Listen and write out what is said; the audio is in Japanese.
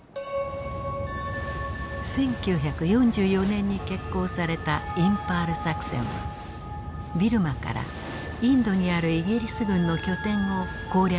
１９４４年に決行されたインパール作戦はビルマからインドにあるイギリス軍の拠点を攻略する計画でした。